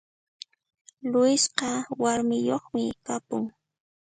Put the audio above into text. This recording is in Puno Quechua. Luisqa warmiyoqmi kapun